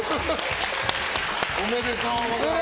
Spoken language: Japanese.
おめでとうございます。